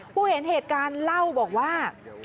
เห็นเหตุการณ์เล่าบอกว่า